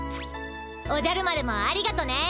おじゃる丸もありがとね。